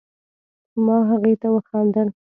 ما هغې ته وخندل